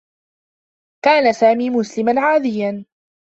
كان سامي مسلما عاديّا.